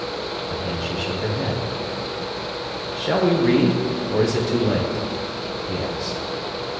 Again she shook her head. "Shall we read, or is it too late?" he asked.